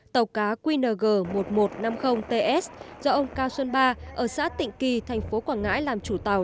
tàu cá qng một nghìn một trăm năm mươi ts do ông cao xuân ba ở xã tịnh kỳ tp quảng ngãi làm chủ tàu